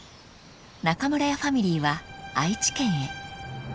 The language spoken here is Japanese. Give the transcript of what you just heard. ［中村屋ファミリーは愛知県へ］